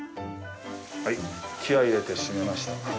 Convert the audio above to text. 気合い入れて締めました。